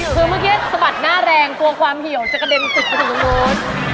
คือเมื่อกี้สะบัดหน้าแรงกลัวความเหี่ยวจะกระเด็นติดไปตรงนู้น